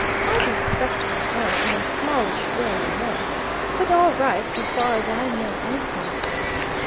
Quite a respectable firm in a smallish way, you know, but all right so far as I know anything of them.